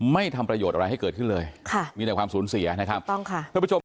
ไม่ทำประโยชน์อะไรให้เกิดขึ้นเลยมีแต่ความสูญเสียนะครับ